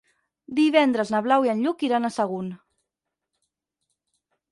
Divendres na Blau i en Lluc iran a Sagunt.